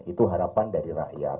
itu harapan dari rakyat